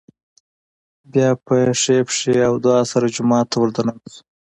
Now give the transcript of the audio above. بيا په ښۍ پښې او دعا سره جومات ته ور دننه شو